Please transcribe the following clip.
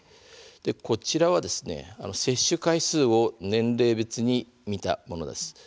こちらは接種回数を年齢別に見たものです。